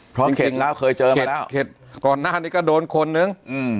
เพราะเข็นแล้วเคยเจอมาแล้วเข็ดเข็ดก่อนหน้านี้ก็โดนคนหนึ่งอืม